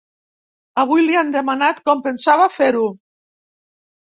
Avui li han demanat com pensava fer-ho.